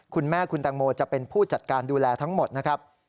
คุณแม่คุณแตงโมจะเป็นผู้จัดการดูแลทั้งหมดนะครับ